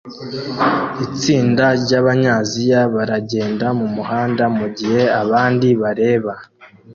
Itsinda ryabanyaziya baragenda mumuhanda mugihe abandi bareba